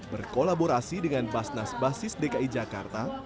berkolaborasi dengan basnas basis dki jakarta